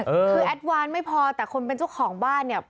คือแอดวานไม่พอแต่คนเป็นเจ้าของบ้านเนี่ย